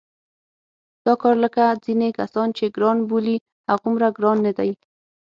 دا کار لکه ځینې کسان چې ګران بولي هغومره ګران نه دی.